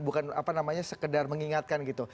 bukan apa namanya sekedar mengingatkan gitu